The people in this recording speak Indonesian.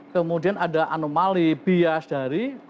kemudian ada anomali bias dari